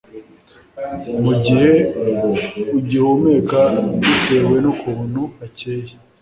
mu gihe ugihumeka bitewe n'ukuntu hakeye,